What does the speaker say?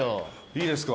いいですか。